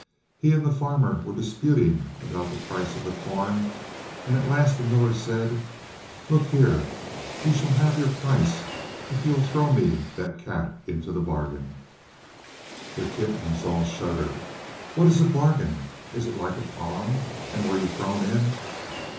He and the farmer were disputing about the price of the corn, and at last the miller said "'Look here; you shall have your price if you'll throw me that cat into the bargain.'" The kittens all shuddered. "What is a bargain? Is it like a pond? And were you thrown in?"